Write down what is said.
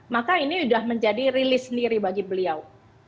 maka ini sudah menjadi rilis sendiri bagi beliau